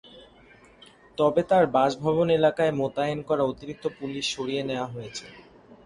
তবে তাঁর বাসভবন এলাকায় মোতায়েন করা অতিরিক্ত পুলিশ সরিয়ে নেওয়া হয়েছে।